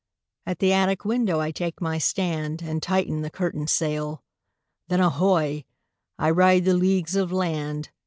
At the attic window I take my stand. And tighten the curtain sail, Then, ahoy! I ride the leagues of land.